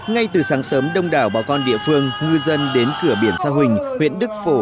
ngay từ sáng sớm đông đảo bà con địa phương ngư dân đến cửa biển sa huỳnh huyện đức phổ